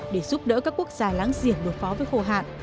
để giúp đỡ các quốc gia láng giềng đối phó với khô hạn